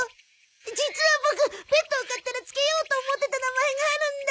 実はボクペットを飼ったら付けようと思ってた名前があるんだ。